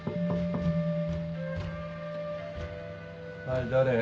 ・はい誰？